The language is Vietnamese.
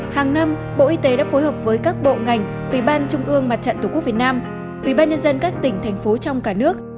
hàng năm bộ y tế đã phối hợp với các bộ ngành ubnd ubnd các tỉnh thành phố trong cả nước